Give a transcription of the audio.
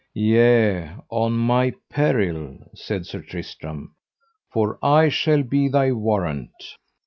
Yea, on my peril, said Sir Tristram, for I shall be thy warrant.